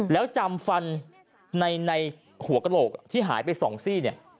แล้วจำฟันในหัวกระโหลกที่หายไป๒ซี่เนี่ย